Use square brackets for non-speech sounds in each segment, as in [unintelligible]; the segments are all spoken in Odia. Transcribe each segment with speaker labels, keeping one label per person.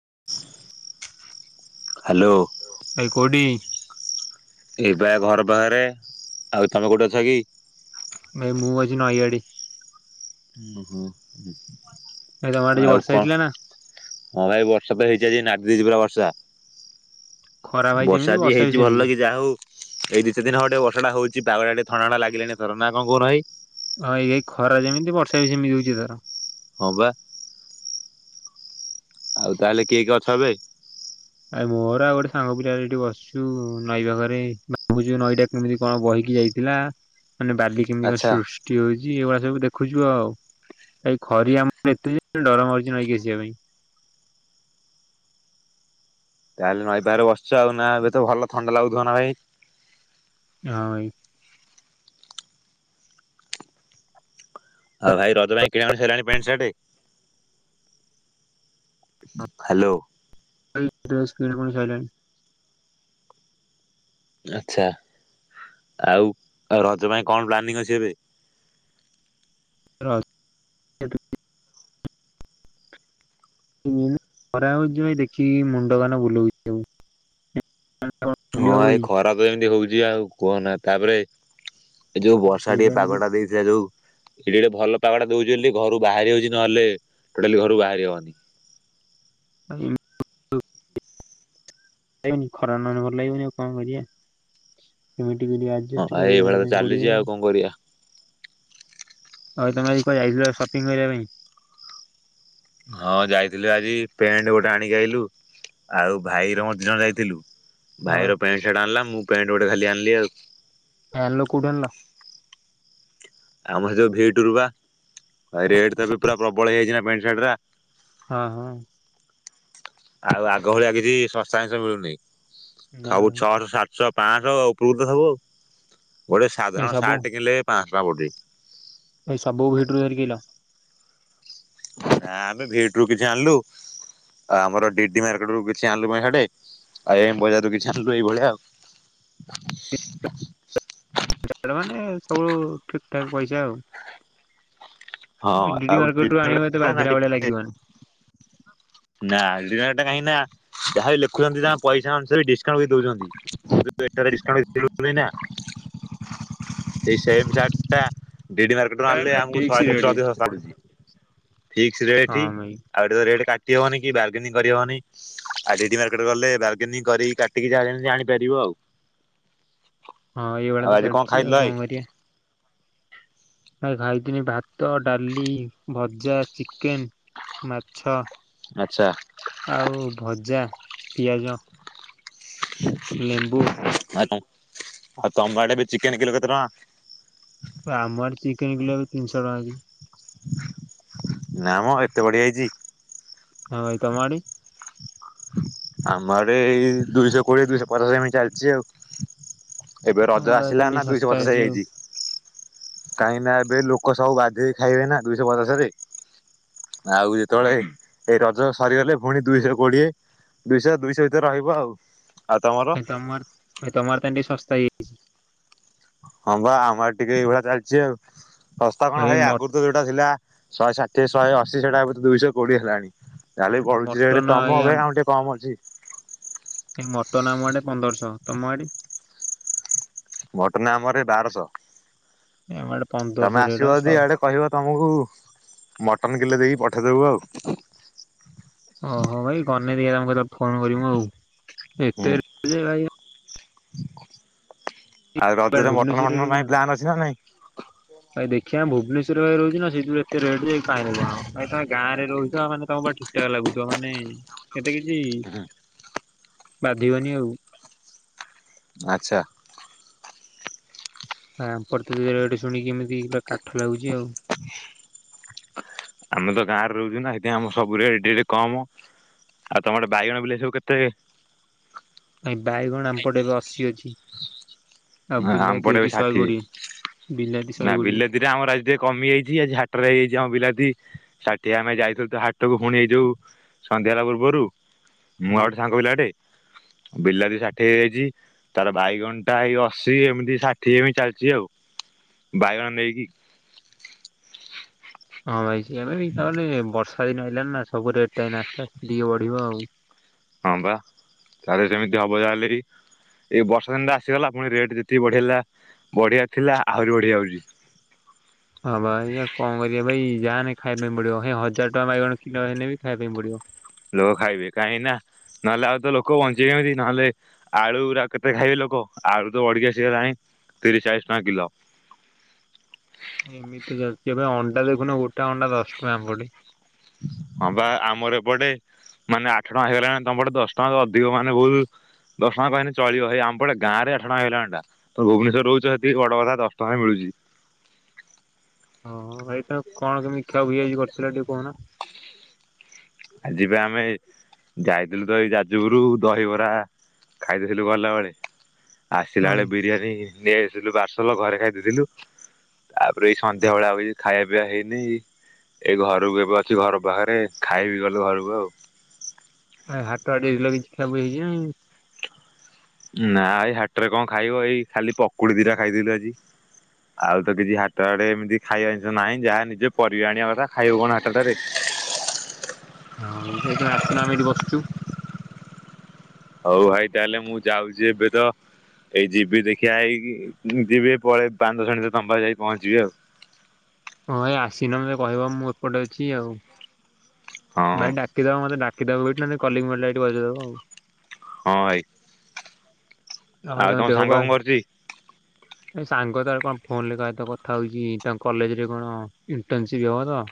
Speaker 1: [unintelligible] ହ୍ୟାଲୋ
Speaker 2: ଏଇ କୋଉଠି।
Speaker 1: ଏଇ ବା ଘର ବାହାରେ ଆଉ ତମେ କୋଉଠି ଅଛ କି?
Speaker 2: ଭାଇ ମୁଁ ଛି ନାଇଆଡି।
Speaker 1: ଓଃ
Speaker 2: ଭାଇ ତମ ଆଡେ
Speaker 1: [unintelligible]
Speaker 2: ଯୋଉ
Speaker 1: ଆଉ
Speaker 2: ବର୍ଷା
Speaker 1: କଣ
Speaker 2: ହେଇଥିଲା ନା
Speaker 1: ହଁ ଭାଇ ବର୍ଷା ତ ହେଇ ଆଜି ନାଦି ଦେଇଛି ପୁରା ବର୍ଷା।
Speaker 2: ଖରା ଭାଇ ଯେମିତି
Speaker 1: ବର୍ଷା ବି ହେଇଛି ଭଲ
Speaker 2: ସେମିତି
Speaker 1: ଲ କିି ଯାହା ହଉ ଏଇ ଦିଇିତ ଦିନ ହବ ଥଣ୍ଡା ହଉଛି ପାଗ ଟା ଟିକେ ଥଣ୍ଡା ଥଣ୍ଡା ଲାଗିଲାଣି ନା କଣ କହୁନ ଭାଇ
Speaker 2: ହଁ ଏଇା ଖରା ଯେମିତି ବର୍ଷା ବି ସେମିତି ହଉଛି ଏଥର।
Speaker 1: ହଁ ବା ଆଉ ତାହେଲେ କିଏ କିଏ ଅଛ ଏବେ।
Speaker 2: ଆ ମୋର ଆଉ ଗୋଟେ ସାଙ୍ଗ ପିଲାରେ ଏଠି ବସଛୁ ନଈ ପାଖରେ ଭାବୁଛୁ ନଈଟା କେମିତି କଣ ବହିକି ଯାଇଥିଲା। ମାନେ ବାଲି କେମିତି କଣ
Speaker 1: ଆଚ୍ଛା
Speaker 2: ସୃଷ୍ଟି ହଉଛି ଏଗୁଡା ସବୁ ଦେଖ ଦେଖୁଛୁ ଆଉ ଭାଇ ଖରି ଆମର ଏତ ଡର ମାରୁଛି ନକି ଆସିବା ପାଇଁ।
Speaker 1: ତାହେଲେ ନଈ ପାଖରେ ବସିଛ ଆଉ ନା ଏବେ ତ ଭଲ ଥଣ୍ଡା ଲାଗୁଥିବ ନା ଭାଇ।
Speaker 2: ହଁ ଭାଇ।
Speaker 1: ହଁ ଭାଇ ରଜ ଭାଇ କିଣାଣିଲାଣି ପଣ୍ଟ ସାଟେ ହ୍ୟାଲୋ।
Speaker 2: [unintelligible]
Speaker 1: ଆଚ୍ଛା ଆଉ ରଜ ପାଇଁ କଣ ପ୍ଲାନିଂ ଅଛି ଏବେ?
Speaker 2: [unintelligible] ଉଁ ଖରା ହଉଛି ଭାଇ ଦେଖିକି ମୁଣ୍ଡ [unintelligible] ବୁଲଉଚି ସବୁ। ବୁଲି
Speaker 1: ହଁ
Speaker 2: ହବ
Speaker 1: ଭାଇ
Speaker 2: କି?
Speaker 1: ଖରା ତ ଏମିତି ହଉ [unintelligible] ଆଉ କୁହନା ତାପରେ ଏ ଯୋଉ ବର୍ଷା
Speaker 2: ସେଇ
Speaker 1: ଟିକେ ପାଗଟା
Speaker 2: ପାଇଁ
Speaker 1: ଦେଇଥିଲା ଯୋଉ ଏଠି ଗୋଟେ ଭଲ ପାଗଟା ଦଉଚି ବୋଲି ଘରୁ ବାହାରି ହଉଚି ନହେଲେ ଟୋଟାଲି ଘରୁ ବାହାରି ହବନି।
Speaker 2: [unintelligible] [unintelligible] ଖରା ନହେଲେ ଭଲ ଲାଗିବନି ଆଉ କଣ କରିଆ [unintelligible]
Speaker 1: ହ ଭାଇ ଏଇଭଳିଆ ତ ଚାଲିଚି ଆଉ କଣ କରିଆ।
Speaker 2: ହଉ ତମେ ଆଜି କୁଆଡେ ଯାଇଥିଲ ସପିଙ୍ଗ କରିଆ ପାଇଁ?
Speaker 1: ହଁ ଯାଇଥିଲୁ ଆଜି ପେଣ୍ଟ ଗୋଟେ ଆଣିକି ଆଇଲୁ ଆଉ ଭାଇର ମୋର ଦି ଜଣ ଯାଇଥିଲୁ
Speaker 2: ହଁ
Speaker 1: ଭାଇର ପ୍ୟାଣ୍ଟ ସାର୍ଟ ଆଣିଲା ମୁଁ ପ୍ୟାଣ୍ଟ ଗୋଟେ ଖାଲି ଆଣଲି ଆଉ।
Speaker 2: ଫାଇନାଲ କୋଉଠୁ ଆଣିଲ?
Speaker 1: ଆମର ସେ ଯୋଉ ଭିଟୁ ରୁ ବା ରେଟ ତ ଏବେ ପୁରା ପ୍ରବଳ ହେଇଯାଇଚି ନା ପେଣ୍ଟ ସାର୍ଟଗୁରା।
Speaker 2: ହଁ ହଁ।
Speaker 1: ଆଉ ଆଗ ଭଳିଆ କିଛି ଶସ୍ତା ଜନିଷ ମିଳୁନି।
Speaker 2: ନା
Speaker 1: ସବୁ ଛଅଶ ସାତଶ ପାଁଶ ଉପୁରୁକୁ ତ ସବୁ ଆଉ। ଗୋଟେ ସାଧାରଣ ସାର୍ଟଟେ କିଣିଲେ ପାଁଶ ଟଙ୍କା ପଡୁଚି।
Speaker 2: ଭାଇ ସବୁ ଭିଟୁରୁ? [unintelligible]
Speaker 1: [unintelligible] ଆମେ ଭିଟୁରୁ କିଛି ଆଣିଲୁ ଆ ଆମର ଡିଡି ମାର୍କେଟରୁ କିଛି ଆଣିଲୁ ପେଣ୍ଟ ସାର୍ଟ ଆଉ ଏମ୍ ବଜାରରୁ କିଛି ଆଣିଲୁ ଏଇଭଳିଆ ଆଉ।
Speaker 2: [unintelligible] ସବୁ ଠିକ ଠାକ୍ ପଇସା ଆଉ।
Speaker 1: ହଁ
Speaker 2: ଡିଡି
Speaker 1: ଆଉ
Speaker 2: ମାର୍କେଟରୁ
Speaker 1: ଡିନର
Speaker 2: ଆଣିବ ଏତେ
Speaker 1: ନା
Speaker 2: ବାଧିଲା ଭଳିଆ
Speaker 1: ଟିକେ
Speaker 2: ଲାଗିବନି। [unintelligible]
Speaker 1: [unintelligible] କାହିଁକି ନା ଯାହା ବି ଲେଖୁଚନ୍ତି ତାଙ୍କ ପଇସା ଅନୁସାରେ ଡିସକାଉଣ୍ଟ ବି ଦଉଚନ୍ତି। [unintelligible] ସେଇ ସେମ ସାର୍ଟ ଟା ଡିଡି ମାର୍କେଟରୁ
Speaker 2: ଏଟା
Speaker 1: ଆଣିଲେ
Speaker 2: ପୁରା
Speaker 1: ଆମକୁ
Speaker 2: ଫିକ୍ସ
Speaker 1: ଶହେ ଦେଢଶହ
Speaker 2: ରେଟ।
Speaker 1: ଅଧିକ ଶସ୍ତା ପଡୁଚି। ଫିକ୍ସ ରେଠି
Speaker 2: ହଁ ଭାଇ
Speaker 1: ଆଉ ତ ଏଠି ରେଟ୍ କାଟ୍ ଟି ହବନି କି ବାରଗେନିଙ୍ଗ କରିହବନି ଆଉ ଜିଡି ମାର୍କେଟ ଗଲେ ବାରଗେନିଙ୍ଗ କରିକି କାଟିକି ଯାହା ଯେମିତି ଆଣି ପାରିବ ଆଉ।
Speaker 2: ହଁ
Speaker 1: ଆଉ
Speaker 2: ଏଇଭଳିଆ ତ
Speaker 1: ଆଜି କଣ
Speaker 2: ଚାଲିଚି
Speaker 1: ଖାଇଥିଲ
Speaker 2: ଆଉ
Speaker 1: ଭାଇ?
Speaker 2: କଣ କରିଆ? ଭାଇ ଖାଇଥିନି ଭାତ ଡାଲି ଭଜା ଚି ଚିକେନ୍ ମାଛ
Speaker 1: ଆଚ୍ଛା
Speaker 2: ଆଉ ଭଜା ପିଆଜ।
Speaker 1: [inaudible]
Speaker 2: ଲେମ୍ବୁ
Speaker 1: ଆଚ୍ଛା। ଆଉ ତବା ଆଡେ ବି ଚିକେନ କିଲୋ କେତେ ଟଙ୍କା
Speaker 2: ଆମର ଚିକେନ କିଲ ଏବେ ତିନିଶହ ଟଙ୍କା କି
Speaker 1: ନାାମ ଏତେ ବଢିଆ ହେଇଛି
Speaker 2: ହଁ ଭାଇ ତ ମାଡି
Speaker 1: ଆମର ଏଇ ଦୁଇଶହ କୋଡିଏ ଦୁଇଶହ ପଚାଶ ଏମି ଚାଲିଛି ଆଉ ଏବେ
Speaker 2: ତମ
Speaker 1: ରଜ
Speaker 2: ଆଡେ ଭାଇ ତାହେଲେ
Speaker 1: ଆସିଲା
Speaker 2: ଟିକେ
Speaker 1: ନା
Speaker 2: ଶସ୍ତା
Speaker 1: ଦୁଇଶହ ପଚାଶ
Speaker 2: ଅଛି ଆଉ
Speaker 1: ହେଇଯାଇଛି କାହିଁକି ନା ଏବେ ଲୋକ ସବୁ ଗାଧେଇ ଖାଇବେ ନା ଦୁଇଶହ ପଚାଶ ରେ ଆଉ ଯେତେବେଳେ ଏଇ ରଜ ସରିଗଲେ ପୁଣି ଦୁଇଶହ କୋଡ଼ିଏ ଦୁଇଶହ ଦୁଇଶହ ଭିତରେ ରହିବ ଆଉ ଆଉ ତମର?
Speaker 2: ନ ତମର ତମର ତା ସସ୍ଥ ସେଇ
Speaker 1: ହଁ ବା ଆମର ଟିକେ ଏଇଭଳିଆ ଚାଲିଛି ଆଉ ଶସ୍ତା କଣ ଭାଇ ଆଗରୁ ତ ଯୋଉଟା ଥିଲା। ଶହେ ଷାଠିଏ ଶହେ ଅଶ ସେଟା ଦୁଇଶହ କୋଡିଏ ହେଲାଣି ଚାାଲି ପଡୁଛି ରେଟେ
Speaker 2: ମଟନ
Speaker 1: ତମ ହବେ ଆଉ ଟିକେ କମ ଅଛି।
Speaker 2: ଏ ମଟନ ଆମ ଆଡେ ପନ୍ଦରଶହ ତମ ଆଡେ।
Speaker 1: ଘଟନା ଆମର ଏ ବାରଶହ
Speaker 2: ଆମ ଆଡେ
Speaker 1: ତମେ
Speaker 2: ପନ୍ଦରଶହ ରେଟ
Speaker 1: ଆସିବ ଯଦି
Speaker 2: ଶହେ
Speaker 1: ଆଆଡେ କହିବ ତମକୁ ମଟନ କିଲେ ଦେଇକି ପଠାଇ ଦେେବୁ ଆଉ
Speaker 2: ାଇି ମୁ ଫୋନ କରିମୁ ଆଉ ଏତେ
Speaker 1: ହୁଁ।
Speaker 2: ଭାଇ
Speaker 1: [unintelligible] ଆଉ
Speaker 2: କୁଆଡେ
Speaker 1: ରଜରେ ବଟନ
Speaker 2: ଭୁବନେଶ୍ୱରରେ
Speaker 1: ଫଟନ
Speaker 2: ରହୁଛୁ
Speaker 1: ପାଇଁ ପ୍ଲାନ ଅଛି ନା ନାଇଁ
Speaker 2: ରହୁଛି ନା ସେଥିରୁ ଏତରେଟ ଯାଇ କାଇଁ ହଁ ଭାଇ ତମ ଗଁରେ ରହୁଛ ମେ ତମ ଠିକଠା ଲାଗୁିବ ମାନେ ଏତେ କିଛି
Speaker 1: ହୁଁ
Speaker 2: ବାଧିବନି ଆଉ
Speaker 1: ଆଚ୍ଛା
Speaker 2: ହଁ ପ୍ର ଦରେ ଏ ଶୁଣିକିମିତି ହ
Speaker 1: ଆମେ ତ ଗାଁରେ ରହୁଛୁ ନା। ଆଞ ଆମ ସବୁ ରେ କମ ଆଉ ତମର ବାଇଗଣ ବିଲ ସବୁ କେତେ
Speaker 2: ଭାଇ ବାଇଗଣ ଆମପଟେ ଏବେ ଅଶୀ ଅଛି। ଆଉ
Speaker 1: ହ ଆମ
Speaker 2: ବିଲାତି
Speaker 1: ପଡେବେ
Speaker 2: ଅଛି ଶହେ
Speaker 1: ଷାଠିଏ
Speaker 2: କୋଡିଏ ବିଲାତି
Speaker 1: ନା
Speaker 2: ଶହେ କୋଡିଏ
Speaker 1: ବିଲାତିରେ ଆମର ଆ ଟେ କମି ଯାଇଛି ଆଜି ାଟରେ ହେଇଯାଇଛି ଆମ ବିଲାତି ଷାଠିଏ ଆମେ ଯାଇଥିଲୁ ତ ହାଟକୁ ପୁଣି ଏଇ ଯାଉଉ ସନ୍ଧ୍ୟା ହେଲା ପୂର୍ବରୁ ମୁଁ
Speaker 2: ହଁ।
Speaker 1: ଆଉଟେ ସାଙ୍ଗ ପିଲାଟେ ବିଲାତି ଷାଠି ହେଇଯାଇଛି ତାର ବାଇଗଣ୍ଟା ହେଇ ଅଶୀ ଏମିତି ଷାଠିଏ ଏମି ଚାଲିଛି ଆଉ ବାଇଗଣ ନେଇକି
Speaker 2: ହଁ ଭାଇ ମ ତାନେ ବର୍ଷା ଛ ଦିନ ହେଇିଲାନ ନା ସବୁ ରେଟ୍ ଟା ନାସ୍ତା ଟିକେ ବଢିବ ଆଉ
Speaker 1: ହଁ ବା ତାେଲେ ସେମିତି ହବ ଯାହାଲେ କି ଏ ବର୍ଷ ଦିନରେ ଆସିଗଲା ଆୁଣି ରେଟ ଏ ବଢେଇଲା ବଢିଆ ଥିଲା ଆହୁରି ବଢିଆ ହଉଛି।
Speaker 2: ହଁ ଭ ା କଣ କର ଭାଇ ଯାହାାନେ ଖାଇବା ପାଇଁ ପଡିବ ହେଇ ହଜାର ଟଙ୍କା ବାଇଗଣ କିଲୋ ହେଲେେ ବି ଖାଇବା ପାଇଁ ପଡିବ।
Speaker 1: ଲୋକ ଖାଇବେ କାହିଁକି ନା ନହେଲେ ଆଉ ତ ଲୋକ ବଞ୍ଚେଇିବେ କେମିତି ନହେଲେ ଆଳୁା କେତେ ଖାଇବେ ଲୋକ ଆଳୁ ତ ବଢିକିସିଗଲାଣି ତିରିଶ ଚାଳିଶ ଟଙ୍କା କିଲୋ
Speaker 2: ଏମିତି ଚାଲିଛି ଏବେ ଅଣ୍ଡା ଦେଖୁନ ଗୋଟେ ଅଣ୍ଡା ଦଶ ଟଙ୍କା ପଡିେ।
Speaker 1: ହଁ ବା ଆମର ଏପଟେ ମାନେ ଆଠ ଟଙ୍କା ହେଗଲାଣି ତମପଟେ ଦଶ ଟଙ୍କା ତ ଅଧିକ ମାନେ ବହୁତ ଦଶ ଟଙ୍କା କହିଲି ଚଳିବ ଭାଇ ଆମପଟେ ଗାଁ ରେ ଆଠ ଟଙ୍କା ହେଇଗଲାଣି ଟା ତ ଭୁବନେଶ୍୍ୱର ରହୁଛ ସେଠକି ବଡ କଥା ଦଶ ଟଙ୍କା ମିଳୁଛି।
Speaker 2: ଓଁ ଭାଇ ତ କଣ କେମିତି ଖିଆୁଇଆ କରିଥିଲା ଟିକେ କହୁହନା
Speaker 1: ଆଜି ପାଇଁ ଆମେ ଯାଇଥିଲୁ ଦହି ଯାଜୁଗରୁ ଦହିବରା ଖାଇଦଥିଲୁ ଗଲା ବେଳେ ଆସିଲା
Speaker 2: ହଁ
Speaker 1: ବେଳେ ବିରିୟାନୀ ନେଇ ଆସଥିଲୁ ପାର୍ସଲ ଘରେ ଖାଇ ଦେଇେଇଥିଲୁ ତାପରେ ଏଇ ସନ୍ଧ୍ୟା ବଳିଆ ଆଉଛି ଖାଇବା ପିଆ ହେଇନି ଏଇ ଘରକୁ ଏବେ ଅଛି ଘର ପାଖରେ ଖାଇବି ଗଲେ ଆଉ
Speaker 2: ଆ ହାଟ ବାଡେ କିଛି ଖ ହେଇଛି
Speaker 1: ନା ଏଇ ହାଟରେ କଣ ଖାଇବ ଏଇ ଖାଲି ପକୁଡି ଦଟା ଖାଇଦଲୁ ଆଜି ଆଉ ତ କିଛି ହାଟ ହଡେ ଏମିତି ଖାଇବା ଜିନିଷ ନାହିଁ ଯାହା ନିଜେ ପରିବା ଆଣିବା କଥା ଖାଇବ କଣ ହାଟଟାରେ
Speaker 2: ହଁ ଏଇ ଯାଇ ତମେ ଆସୁନମେ ଏଇଠି ବସିଛୁ
Speaker 1: ହଉ ଭାଇ ତାହେଲେ ମୁଁ ଯାଉଛି ଏବେ ତ ଏଇ ଯିବି ଦେଖିିବା ହେଇି ଯିବି ପଳେଇ ପାଞ୍ଚ ଦଶଣ ତ ତମ୍ବା ଯାଇି ପହଞ୍ଚିବି ଆଉ
Speaker 2: ହଁ ଏ ଆସିନା କହିବ ମୁଁ ଏପଟେ ଅଛି ଆଉ
Speaker 1: ହଁ ହଁ
Speaker 2: ଭାଇ ଡାକିଦବା ମତେ ା କେେବେଠି ନ କଲି ମିଲା ଏଠି ବଜେଇଦବ ଆଉ
Speaker 1: ହଁ ଭାଇ
Speaker 2: ଭାଇ
Speaker 1: ଆଉ ତମ
Speaker 2: ଦେହ
Speaker 1: ସାଙ୍ଗ
Speaker 2: ପା
Speaker 1: କଣ କରୁଛି
Speaker 2: ଏ ସାଙ୍ଗ ତ କଣ ଫୋନ ରେ କଥା ହଉଚଛି ତାଙ୍କ କଲେଜ ରେ ଣ ଇଣ୍ଟର୍ନସିିପ ଏ ତ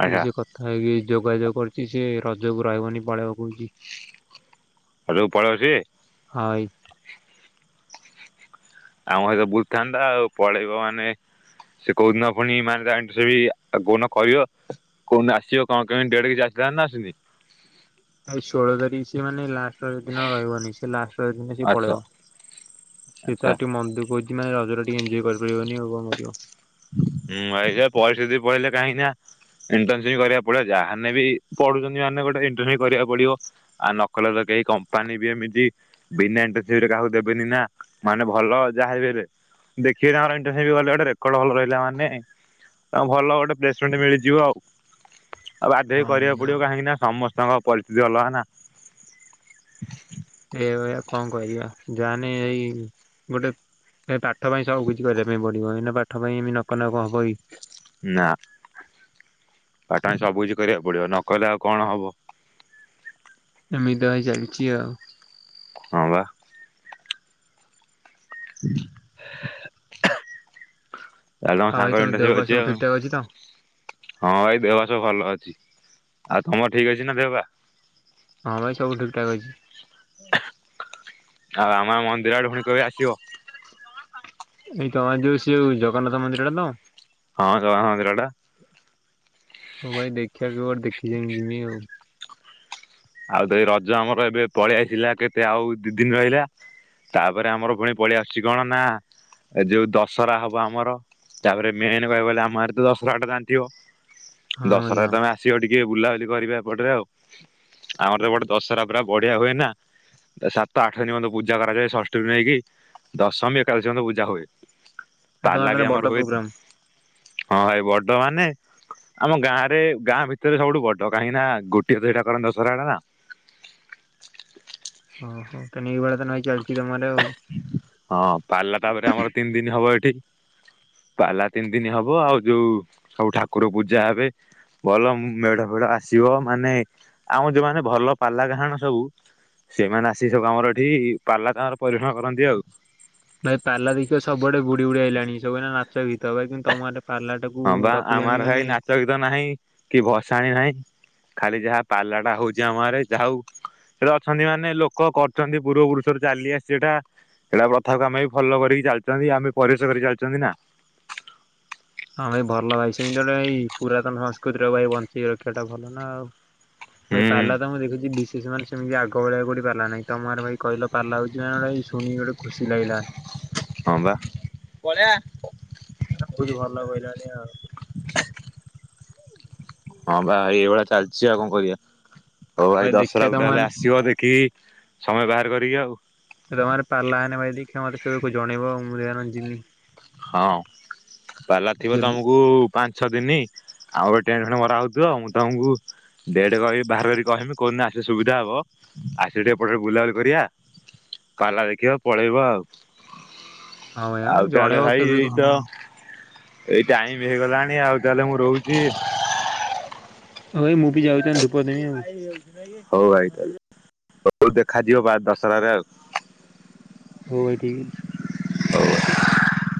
Speaker 1: ଆଚ୍ଛା
Speaker 2: ସେ କଥା ହେଇକି ଯୋଗାଯୋଗ କରୁଛି ସେ ରଜକୁ ରହିବନି ପଳେଇବାକୁହୁଛି
Speaker 1: ଆଉ ପଡ଼ୋଶୀ
Speaker 2: ହ
Speaker 1: ଆମ ସହିତ ବୁଝିଥାନ୍ତା ଆଉ ପଳେଇବ ମାନେ ସେ କହୁଦିନ ପୁଣି ମାନେ ତା ସେ ଆଉ କୋନ କହିବ କଉଠ ଆସିବ କଣ କେମିତି ଡ କିଛି ଆସିଥାନ୍ତା ଆସଛନ୍ତି
Speaker 2: ଏ ଷୋହଳ ତାରିଖ ସେ ମାନେ ଲାଷ୍ଟ ଦିନ ରହିବନି ସେ ଲାଷ୍ଟ ଦିନ ସିଏ
Speaker 1: ଆଚ୍ଛା
Speaker 2: ପଳେଇବ ସିଏ
Speaker 1: ଆଚ୍ଛା।
Speaker 2: ତ ଟିକେ ମନ୍ଦ କହୁଛି ମାନେ ରଜରେ ଏଜ କରିପାରିବନି ହ ମିବ
Speaker 1: ହୁଁ ପରିସ୍ଥିତି ପଢଳିଲେ କାହିଁି ଇଣ୍ଟସିପ କରିବାକୁ ପଡିବ ଯାହାାନେ ବି ପଢୁଛନ୍ତି ମାନେ ଗୋଟେ ଇଣ୍ଟସି କରିବାକୁ ପଡିବ ଆଉ ନ କଲେ ତ କେହି କମ୍ପାନୀ ବି ଏମିତି ବିନା ଇଣ୍ଟସିପ ରେ କାହାକୁ ଦେବେନି ନା ମାନେ ଭଲ ଯାହା ହେଲେ ଦେଖିବମର ଇ ଗଲେ ଗଟ ଟ ଭଲ ରହିଲା ମାନେ ଭଲ ଗୋଟେ ପ୍ଲେସମେଣ୍ଟ ମିଳିଯିବ ଆଉ ଆଉ ବାଧ୍ୟ ହେ
Speaker 2: ହଁ ଭାଇ
Speaker 1: କରିବାକୁ
Speaker 2: ହଁ।
Speaker 1: ପଡିବ କାହିଁକି ନା ସମସ୍ତେ ତାଙ୍କ ପରିସ୍ଥିତି ଭଲ ନା
Speaker 2: ଏ ଭଆ କଣ କରିବା ଯାହାାନେ ଏଇ ଗୋଟେ ଏ ପାଠ ପାଇଁ ସବୁ କିିଛି କରିବା ପାଇଁ ପଡିବ ଏଇନା ପାଠ ପାଇଁ ଏମ ନକ ନକ ହବ। କି।
Speaker 1: ନା ବାଟ ହ ସବୁ କିଛି କରିବାକୁ ପଡିବ ନକଲେ ଆଉ କଣ ହବ
Speaker 2: ଏମିଦ ହେଇ ଚାଲିଛି ଆଉ
Speaker 1: ହ ବା [unintelligible] ତାଲେ ତମ
Speaker 2: ଆଉ ଭାଇ
Speaker 1: ସାଙ୍ଗ
Speaker 2: ଦେହ ପା
Speaker 1: ଅଛି
Speaker 2: ସବୁ
Speaker 1: ଆଉ
Speaker 2: ଠିକ ଠାକ ଅଛି ତ?
Speaker 1: ହଁ ଭାଇ ଦେହ ସବୁ ଭଲ ଅଛି। ଆଉ ତମର ଠିକ ଅଛି ନା ଦେହ ବା
Speaker 2: ହଁ ଭାଇ ସବୁ ଠିକ ଠାକ ଅଛି
Speaker 1: ଆଉ ଆମ ମନ। ବିରାଟ ଭୋଣୀ କେବେ ଆସିବ।
Speaker 2: ଏଇ ତମର ଯୋଉ ସେଉ ଜଗନ୍ନାଥ ମନ୍ଦିରା ତ।
Speaker 1: ହଁ କ ହଁନ୍ତିରାଟା।
Speaker 2: ହଉ ଭାଇ ଦେଖିବାକୁୋଟେ ଦେଖିଛାଇି ଯମି ଆଉ
Speaker 1: ଆଉ ତଇ ରଜ ଆମର ଏବେ ପଳେଇ ଆସିଲା କେତେ ଆଉ ଦି ଦିନ ରହିଲା ତାପରେ ଆମର ପୁଣି ପଳେଇଆ ଆସୁଛି କଣ ନା ଏ ଯୋଉ ଦଶହରା ହବ ଆମର ତାପରେ ମେନ କହ ଆମରେ ତ ଦଶହରା ଟା ଜାଣିଥିବ
Speaker 2: ହଁ ଭାଇ
Speaker 1: ଦଶହଟାରେ
Speaker 2: ହଁ।
Speaker 1: ତମେ ଆସିବ ଟିକେ ବୁଲା କରିବାପଟରେ ଆଉ ଆମର ତ ଗୋଟେ ଦଶହରା ପୁରା ବଢିଆ ହୁଏ ନା ସାତ ଆଠ ଦିନ ପର୍ଯ୍ୟନ୍ତ ପୂଜା କରାଯାଏ ଷଷ୍ଠମୀ ନେଇକି ଦଶମୀ ଏକାଦଶ ପର୍ଯ୍ୟନ୍ତ ପୂଜା ହୁଏ
Speaker 2: ଏ ତମର
Speaker 1: ତାଲା ବି
Speaker 2: ତାହେଲେ
Speaker 1: ଆମର
Speaker 2: ବଡ
Speaker 1: ହୁଏ
Speaker 2: ପ୍ରୋଗ୍ରାମ?
Speaker 1: ହଁ ଭ ବ ବ ମାନେ ଆମ ଗାଁ ରେ ଗାଁ ଭିତରେ ସବୁଠୁ ବଡ କାହିଁକି ନା ଗୋଟିଏ ତ ସେଇଟା କର ଦ ସରାଡ ନା
Speaker 2: ଇ ଚାଲିଛି
Speaker 1: ହଁ ପାରିଲା ତାପରେ ଆମର ତିନି ଦିନ ହବ ଏଠି ପାଲା ତିନି ଦିନ ହବ ଆଉ ଯୋଉ ସବୁ ଠାକୁର ପୂଜା ହେବେ ଭଲ ମେଢ ଫେଢ ଆସିବ ମାନେ ଆମ ଯୋଉମାନେ ଭଲ ପାଲା କାହାଣ ସବୁ ସେମାନେ ଆସି ସବୁ କମର ଏଠି ପାଲା କାର ପରରିକ୍ଷଣ କରନ୍ତି ଆଉ
Speaker 2: ଭାଇ ପାଲା ଦେଖ ସବୁଡେ ବୁଢଡି ବୁଡିଆ ହେଇଲାଣି ସବୁ ନାଚ ଗୀତ ଭାଇ କିନ୍ତୁ ତମର
Speaker 1: ହଁ ବା ଆମର ଭଇ ନାଚ ଗୀତ ନାହିଁ କି ଭସାଣିୀ ନାହିଁ ଖାଲି ଯାହା ପାଲାଟା ହଉଛି ଆମ ଘରେ ଯାହା ହଉ ସେଟା ଅଛନ୍ତି ମାନେ ଲୋକ କରୁଛନ୍ତି ପୂର୍ବ ପୁରୁଷରୁ ଚାଲି ଆସିଛି ସେଟା ସେଟା ପ୍ରଥାକୁ ଆମେ ବି ଫଲୋ କରିକି ଚାଲିଛନ୍ତି ଆମେ ପରିଶ କରିକି ଚାଲିଛନ୍ତି ନା
Speaker 2: ହଁ ଭାଇ ଭଲ ଭାଇ ସେମିତିଟ ଏଇ ପୁରାତନ ସଂସ୍କୃତିର ଭାଇ ବଞ୍ଚିକି ରଖିବା ଟା ଭଲ ନା ଆଉ ଭାଇ
Speaker 1: ହୁଁ ହୁଁ
Speaker 2: ପିଲା ତ ମୁଁ ଦେଖୁଛି ସେ ସେମାନେ ସେମିତି ଆଗ ଭଳିଆ କୋଉଠି ପାରିଲାହିଁ ତମର ଭାଇ କହିଲ ପାରିଲା ହଉଛି ମ ଶୁଣିି ଗୋଟେ ଖୁସି ଲାଗିଲା
Speaker 1: ହ ବା ପଆ
Speaker 2: ଆ ବହୁତ ଭଲ କହିଲାଣି ଆଉ
Speaker 1: ହଁ ବା ଏଇଭଳିଆ ଚାଲିଛି ଆଉ କଣ କରିବାଆ ହଉ ଭାଇ
Speaker 2: ଦେଖିଆ
Speaker 1: ଦଶହଟାକୁ
Speaker 2: ତମ ଆଡେ
Speaker 1: ତାହେଲେ ଆସିବ ଦେଖିକି ସମୟ ବାହାର କରିକି ଆଉ
Speaker 2: ଜିମି
Speaker 1: ହଁ। ପାଲା ଥିବ
Speaker 2: ଯେବେ
Speaker 1: ତମକୁ ପାଞ୍ଚ ଛ ଦିନି ଆଉ ଗୋଟେ ଟ୍ରେନ୍ ଫଣ୍ଡେ ମରା ହେଉଥିବ ମୁଁ ତମକୁ ଡେଟ୍ କହିବି ବାହାର କରି କହମି କହୁହନିନି ଆସେ ସୁବିଧା ହବ ଆସିବେ ଟିକେ ଏପଟେ ବୁଲାବୁଲି କରିବା କଲା ଦେଖିବ ପଳେଇବ ଆଉ ଆଉ
Speaker 2: ହଉ
Speaker 1: ତାହେଲେ
Speaker 2: ଜଣେଇବ
Speaker 1: ଭାଇ
Speaker 2: କେବେ କ
Speaker 1: ଏଇତ ଏଇ ଟାଇମ ହେଇଗଲାଣି ଆଉ ତାହେଲେ ମୁଁ ରହୁଛି।
Speaker 2: ହାଇ ମୁଁ ବି ଯାଉଛି। ଦେମି ଆଉ
Speaker 1: ହଉ ଭାଇ। ତ ଦେଖାଯିବ ବା ଦଶରାରେ।
Speaker 2: ହଉ ଭାଇ ଠିକ ଅଛି
Speaker 1: [inaudible]